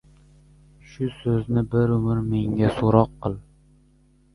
Shu so‘zni bir umr menga so‘roq qil –